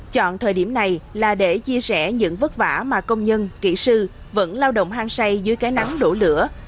chọn thời điểm này là để chia sẻ những vất vả mà công nhân kỹ sư vẫn lao động hang say dưới cái nắng đổ lửa